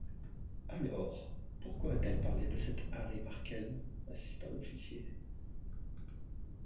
Alors, pourquoi a-t-il parlé de cet Harry Markel?... insista l’officier.